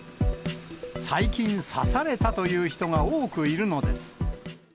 最近刺されたという人が多くいるのです。